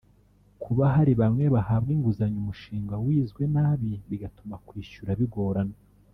kuba hari bamwe bahabwa inguzanyo umushinga wizwe nabi bigatuma kwishyura bigorana